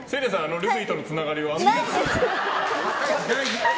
ルフィとのつながりは？